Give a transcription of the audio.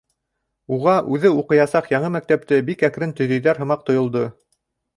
Уға үҙе уҡыясаҡ яңы мәктәпте бик әкрен төҙөйҙәр һымаҡ тойолдо.